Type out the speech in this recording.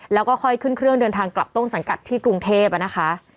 แล้วก็ค่อยขึ้นเครื่องเดินทางกลับต้นสังกัดที่กรุงเทพนะคะ